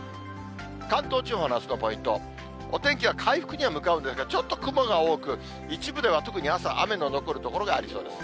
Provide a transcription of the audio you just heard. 関東地方のあすのポイント、お天気は回復に向かうんですが、ちょっと雲が多く、一部では特に朝、あめの残る所がありそうです。